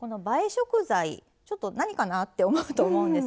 食材ちょっと何かなって思うと思うんですが